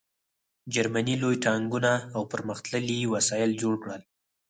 جرمني لوی ټانکونه او پرمختللي وسایل جوړ کړل